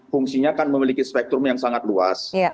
fungsinya kan memiliki spektrum yang sangat luas